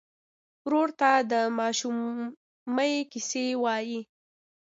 ورور ته د ماشومۍ کیسې وایې.